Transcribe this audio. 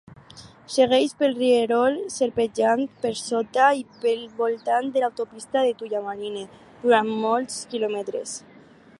Segueix pel rierol, serpentejant per sota i pel voltant de l'autopista de Tullamarine durant molts quilòmetres.